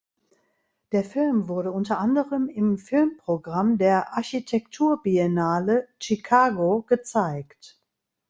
Der Film wurde unter anderem im Filmprogramm der "Architekturbiennale Chicago" gezeigt.